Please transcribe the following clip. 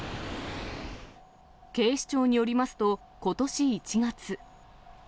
警視庁によりますと、ことし１月。